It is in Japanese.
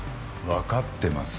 わかってます。